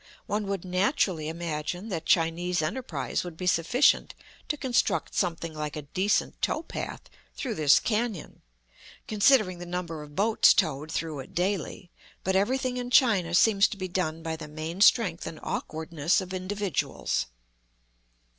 One would naturally imagine that Chinese enterprise would be sufficient to construct something like a decent towpath through this caiion, considering the number of boats towed through it daily; but everything in China seems to be done by the main strength and awkwardness of individuals.